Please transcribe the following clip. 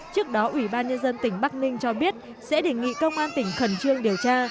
trước đó ủy ban nhân dân tỉnh bắc ninh cho biết sẽ đề nghị công an tỉnh khẩn trương điều tra